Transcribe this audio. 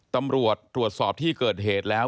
ตำรวจตรวจสอบที่เกิดเหตุแล้ว